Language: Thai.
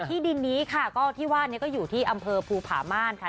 ที่ดินนี้ค่ะก็ที่ว่านี้ก็อยู่ที่อำเภอภูผาม่านค่ะ